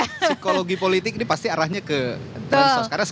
psikologi politik ini pasti arahnya ke tansos